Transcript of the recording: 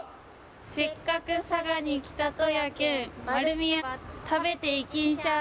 「せっかく佐賀に来たとやけん」「丸美屋ば食べていきんしゃい！」